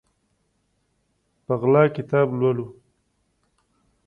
په غلا کتاب لولو